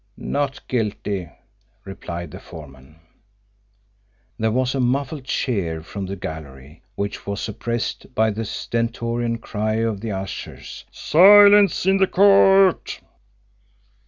"Not guilty," replied the foreman. There was a muffled cheer from the gallery, which was suppressed by the stentorian cry of the ushers, "Silence in the court!"